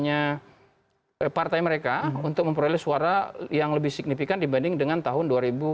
hanya partai mereka untuk memperoleh suara yang lebih signifikan dibanding dengan tahun dua ribu sembilan belas